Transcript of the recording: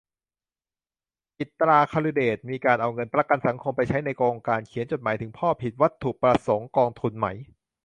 จิตรา คชเดช : มีการเอาเงินประกันสังคม ไปใช้ในโครงการ "เขียนจดหมายถึงพ่อ" ผิดวัตถุประสงค์กองทุนไหม ?